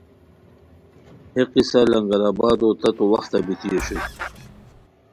ہے قصہ لنگرآبادو تتو وختہ بیتی اوشوئے